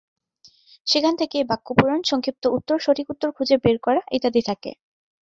সেখান থেকেই বাক্য পূরণ, সংক্ষিপ্ত উত্তর, সঠিক উত্তর খুঁজে বের করা ইত্যাদি থাকে।